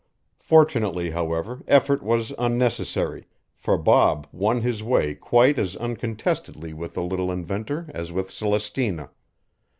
Fortunately, however, effort was unnecessary, for Bob won his way quite as uncontestedly with the little inventor as with Celestina.